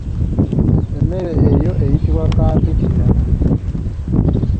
Emmere eyo eyitibwa kimpatiira.